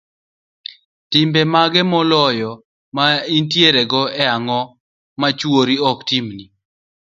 timbe mage moloyo ma intierego, to ang'o ma chuori ok timni?